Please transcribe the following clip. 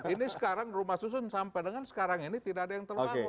ini sekarang rumah susun sampai dengan sekarang ini tidak ada yang terbangun